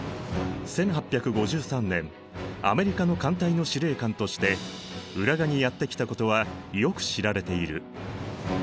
１８５３年アメリカの艦隊の司令官として浦賀にやって来たことはよく知られている。